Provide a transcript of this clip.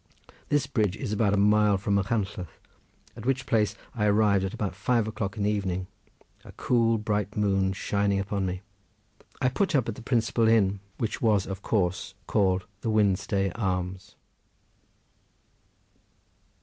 This bridge is about a mile from Machynlleth, at which place I arrived at about five o'clock in the evening—a cool, bright moon shining upon me. I put up at the principal inn, which was of course called the Wynstay Arms.